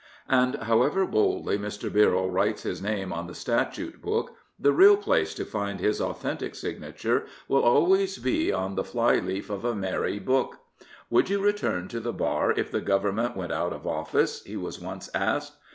And however boldly Mr. Birrell writes his name on the Statute Book, the real place to find his authentic signature 323 Augustine Birrell, K.C. will always be on the flyleaf of a merry book. " Would you return to the bar if the Government went out of office? " he was once asked.